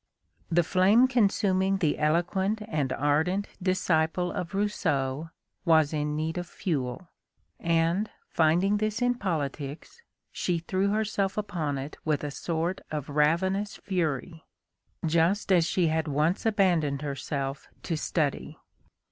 The flame consuming the eloquent and ardent disciple of Rousseau was in need of fuel, and, finding this in politics, she threw herself upon it with a sort of ravenous fury, just as she had once abandoned herself to study.